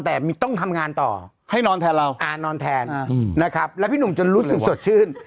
แต่ต้องทำงานต่อให้นอนแทนเราอ่านอนแทนนะครับแล้วพี่หนุ่มจนรู้สึกสดชื่น